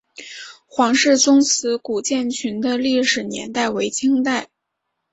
黄氏宗祠古建群的历史年代为清代。